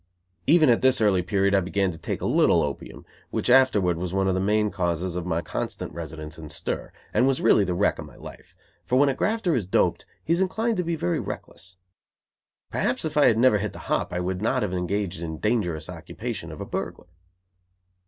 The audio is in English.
Even at this early period I began to take a little opium, which afterwards was one of the main causes of my constant residence in stir, and was really the wreck of my life, for when a grafter is doped he is inclined to be very reckless. Perhaps if I had never hit the hop I would not have engaged in the dangerous occupation of a burglar.